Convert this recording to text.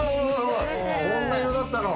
こんな色だったの。